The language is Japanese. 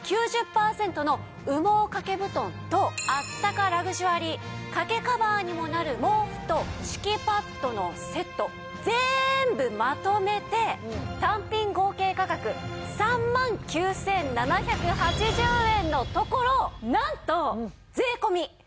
９０パーセントの羽毛掛け布団とあったかラグジュアリー掛けカバーにもなる毛布と敷きパッドのセット全部まとめて単品合計価格３万９７８０円のところなんと税込２万９８００円です。